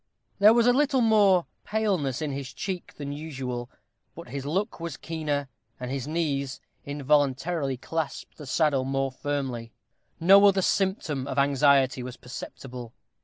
There was a little more paleness in his cheek than usual; but his look was keener, and his knees involuntarily clasped the saddle more firmly. No other symptom of anxiety was perceptible.